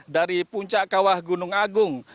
dari puncak kawah gunung agung